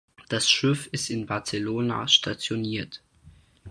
Das Schiff ist in Barcelona stationiert.